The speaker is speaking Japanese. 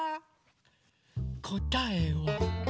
こたえは。